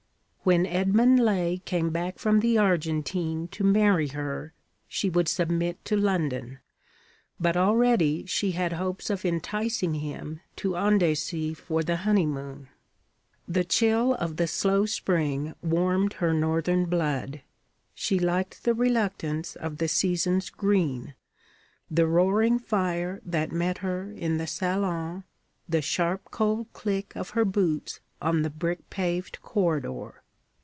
When Edmund Laye came back from the Argentine to marry her, she would submit to London; but already she had hopes of enticing him to Andecy for the honeymoon. The chill of the slow spring warmed her northern blood; she liked the reluctance of the season's green, the roaring fire that met her in the salon, the sharp cold click of her boots on the brick paved corridor.